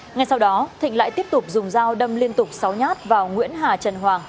ngay sau đó thịnh lại tiếp tục dùng dao đâm liên tục sáu nhát vào nguyễn hà trần hoàng